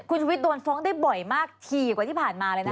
คุณชุวิตโดนฟ้องได้บ่อยมากทีกว่าที่ผ่านมาเลยนะ